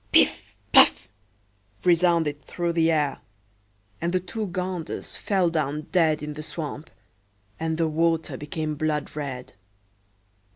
"Piff! Paff!" resounded through the air; and the two ganders fell down dead in the swamp, and the water became blood red.